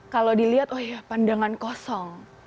kalau dilihat oh ya pandangan kosong